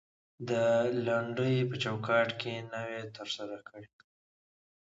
د لنډۍ په چوکات کې نوى تر سره کړى.